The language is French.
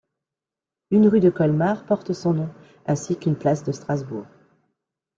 Une rue de Colmar porte son nom, ainsi qu'une place de Strasbourg.